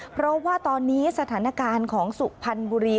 เพราะว่าตอนนี้สถานการณ์ของสุพรรณบุรี